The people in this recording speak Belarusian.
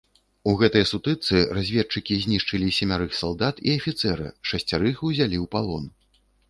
У гэтай сутычцы разведчыкі знішчылі семярых салдат і афіцэра, шасцярых ўзялі ў палон.